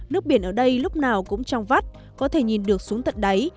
nước biển ở đây lúc nào cũng trong vắt có thể nhìn được xuống tận đáy